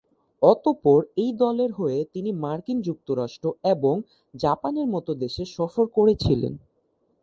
অতপর এই দলের হয়ে তিনি মার্কিন যুক্তরাষ্ট্র এবং জাপানের মতো দেশে সফর করেছিলেন।